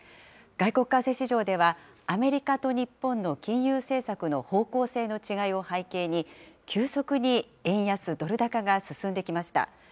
外国為替市場では、アメリカと日本の金融政策の方向性の違いを背景に、急速に円安ドル高が進んできました。